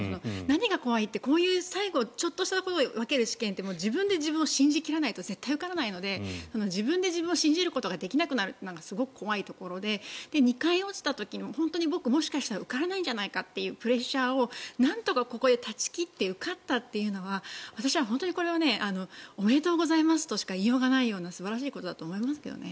何が怖いってこういう最後ちょっとしたことが分ける試験って自分で自分を信じ切らないと絶対に受からないので自分で自分を信じることができなくなるのがすごく怖いところで２回落ちた時も本当に僕、もしかしたら受からないんじゃないかというプレッシャーをなんとかここで断ち切って受かったというのは私は本当にこれはおめでとうございますとしか言いようがない素晴らしいことだと思いますけどね。